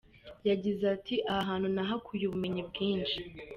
Yagize ati “Aha hantu nahakuye ubumenyi bwinshi.